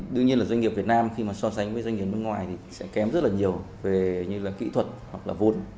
đương nhiên là doanh nghiệp việt nam khi mà so sánh với doanh nghiệp nước ngoài thì sẽ kém rất là nhiều về như là kỹ thuật hoặc là vốn